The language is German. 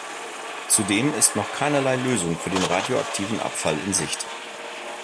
Zudem ist noch keinerlei Lösung für den radioaktiven Abfall in Sicht.